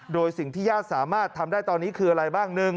โดยสิ่งที่ญาติสามารถทำได้ตอนนี้คืออะไรบ้าง